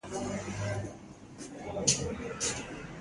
استاد د نېکمرغه ژوند درس ورکوي.